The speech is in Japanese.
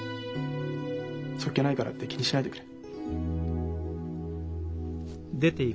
そっけないからって気にしないでくれ。